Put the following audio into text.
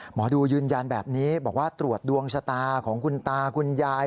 หมอดูยืนยันแบบนี้บอกว่าตรวจดวงชะตาของคุณตาคุณยาย